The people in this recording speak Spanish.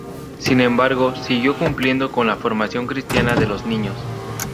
Sin embargo, siguió cumpliendo con la formación cristiana de los niños.